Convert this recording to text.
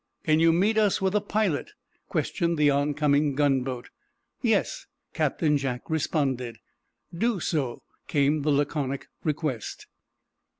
"Can you meet us with a pilot?" questioned the on coming gunboat. "Yes," Captain Jack responded. "Do so," came the laconic request.